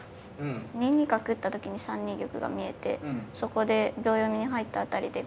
２二角打った時に３二玉が見えてそこで秒読みに入った辺りで５三桂成が。